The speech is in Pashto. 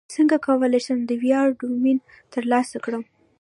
څنګه کولی شم د وړیا ډومین ترلاسه کړم